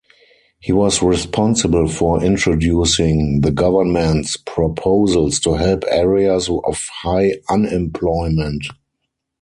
He was responsible for introducing the government's proposals to help areas of high unemployment.